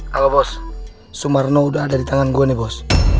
halo bos sumarno udah ada di tangan gue nih bos